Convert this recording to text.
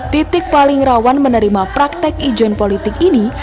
titik paling rawan menerima praktek ijon politik ini